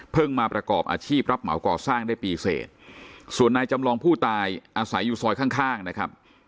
มาประกอบอาชีพรับเหมาก่อสร้างได้ปีเสร็จส่วนนายจำลองผู้ตายอาศัยอยู่ซอยข้างข้างนะครับ